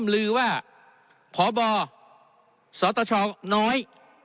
สวทชน้อย